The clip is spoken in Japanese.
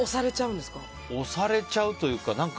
押されちゃうというか